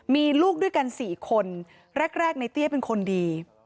มีลูกด้วยกัน๔คนแรกในเตี้ยเป็นคนดี